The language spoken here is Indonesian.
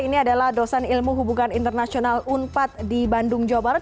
ini adalah dosen ilmu hubungan internasional unpad di bandung jawa barat